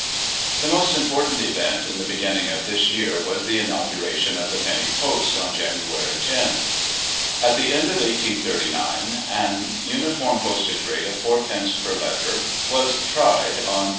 The most important event in the beginning of this year was the inauguration of the Penny Post on Jan. lo. At the end of 1839, an uniform postage rate of 4d. per letter was tried on Dec.